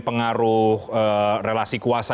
pengaruh relasi kuasa